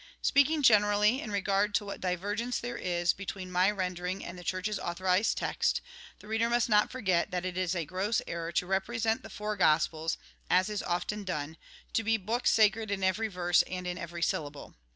Speaking generally, in regard to what divergence there is between my rendering and the Church's authorised text, the reader must not forget that it is a gross error to represent the four Gospels, as is often done, to be books sacred in every verse and in every syllable.